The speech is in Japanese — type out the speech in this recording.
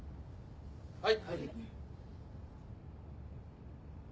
はい。